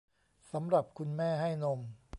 สำหรับคุณแม่ให้นม